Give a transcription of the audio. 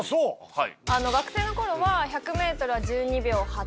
はい。